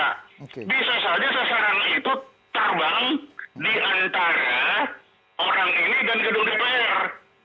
bisa saja sasarannya itu terbang di antara orang ini dan gedung dpr